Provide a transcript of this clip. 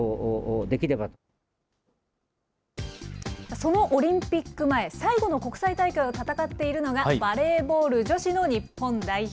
そのオリンピック前、最後の国際大会を戦っているのが、バレーボール女子の日本代表。